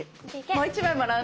もう１枚もらうね。